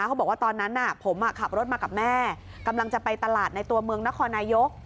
เขาบอกว่าตอนนั้นผมขับรถมากับแม่กำลังจะไปตลาดในตัวเมืองนครนายก